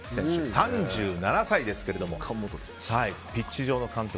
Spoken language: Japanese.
３７歳ですけどもピッチ上の監督。